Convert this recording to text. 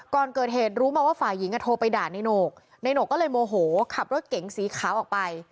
ก่อนเกิดเหตุรู้มาว่าฝ่ายหญิงโทรไปด่าในโหนกในโหนกก็เลยโมโหขับรถเก๋งสีขาวออกไป